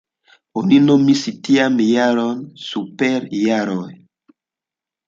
Oni nomis tiajn jarojn superjaroj.